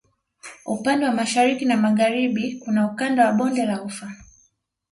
Upande wa Mashariki na Magharibi kuna Ukanda wa bonde la Ufa